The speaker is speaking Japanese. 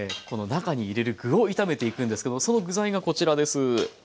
この中に入れる具を炒めていくんですけどもその具材がこちらです。